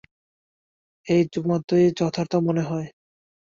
এ মতই যথার্থ মনে হয়।